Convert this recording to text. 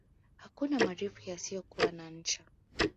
Hakuna marefu yasiyokuwa na ncha